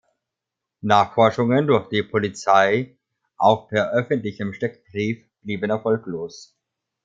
Nachforschungen durch die Polizei, auch per öffentlichem Steckbrief, blieben erfolglos.